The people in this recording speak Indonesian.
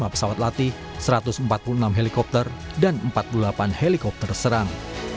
lima pesawat latih satu ratus empat puluh enam helikopter dan empat puluh delapan helikopter serang